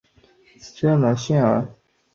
勒谢拉尔。